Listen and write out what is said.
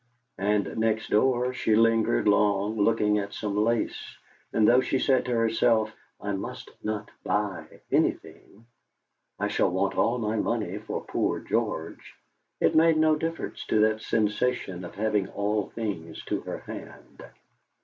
And next door she lingered long looking at some lace; and though she said to herself, "I must not buy anything; I shall want all my money for poor George," it made no difference to that sensation of having all things to her hand.